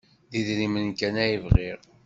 D idrimen kan ay bɣiɣ.